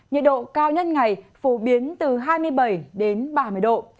nhiệt độ cao nhất ngày phổ biến từ hai mươi bảy đến ba mươi độ